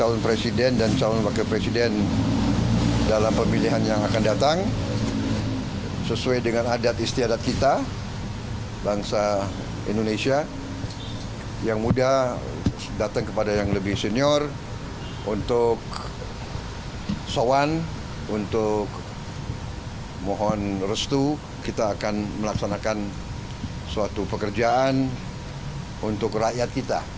untuk soan untuk mohon restu kita akan melaksanakan suatu pekerjaan untuk rakyat kita